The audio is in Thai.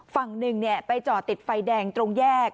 ฝั่งนึงเนี่ยไปจอติดไฟแดงตรงแยก